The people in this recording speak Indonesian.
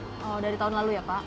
kalau dari tahun lalu ya pak